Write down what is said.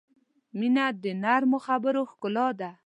• مینه د نرمو خبرو ښکلا ده.